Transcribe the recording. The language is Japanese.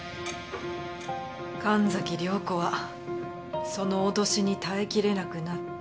神崎涼子はその脅しに耐えきれなくなって。